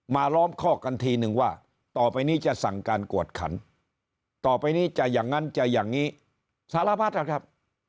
ล้อมข้อกันทีนึงว่าต่อไปนี้จะสั่งการกวดขันต่อไปนี้จะอย่างนั้นจะอย่างนี้สารพัดนะครับ